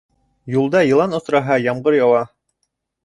Юлда йылан осраһа, ямғыр яуа.